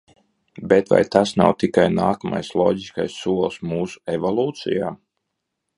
Bet vai tas nav tikai nākamais loģiskais solis mūsu evolūcijā?